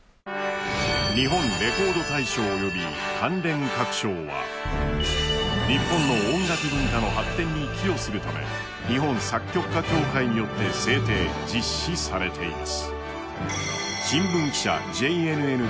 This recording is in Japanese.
日本レコード大賞および関連各賞は、日本の音楽文化の発展に寄与するため、日本作曲家協会によって制定、実施されています。